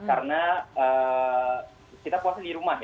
karena kita puasa di rumah ya